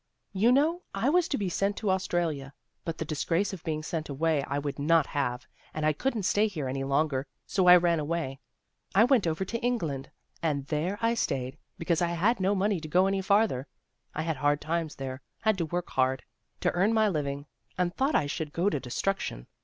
You know, I was to be sent to Australia. But the disgrace of being sent away I would not have, and I couldn't stay here any longer, so I ran away. I went over to England and there I stayed, because I had no money to go any farther. I had hard times there, had to work hard, to earn my living, and thought I should go to destruction.